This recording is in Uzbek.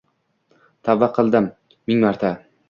Tavba qildim ming marta